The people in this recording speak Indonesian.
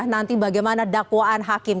nanti bagaimana dakwaan hakim